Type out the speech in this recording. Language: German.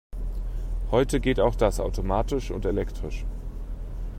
Heute geht auch das automatisch und elektrisch.